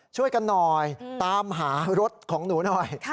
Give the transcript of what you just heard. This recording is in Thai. ช่วยกันหน่อยตามหารถของหนูหน่อย